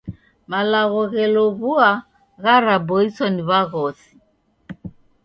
Malagho ghelow'ua gharaboiswa ni w'aghosi.